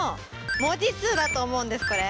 文字数だと思うんですこれ。